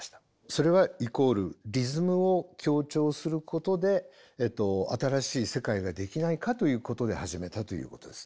それはイコールリズムを強調することで新しい世界ができないかということで始めたということです。